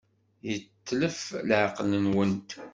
Yetlef leɛqel-nwent.